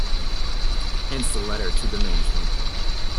Hence the letter to the management.